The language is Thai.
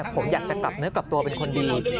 ผมอยากจะกลับเนื้อกลับตัวเป็นคนดี